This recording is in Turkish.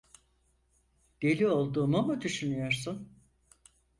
Deli olduğumu mu düşünüyorsun?